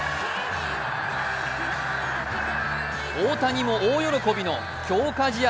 大谷も大喜びの強化試合